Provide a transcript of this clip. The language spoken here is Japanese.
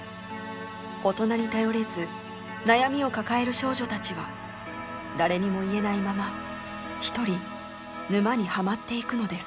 大人に頼れず悩みを抱える少女たちは誰にも言えないまま一人沼にはまっていくのです。